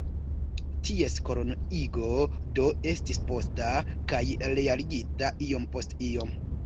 Ties koloniigo, do, estis posta kaj realigata iom post iom.